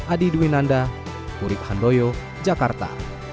adi dwi nanda murid handoyo jakarta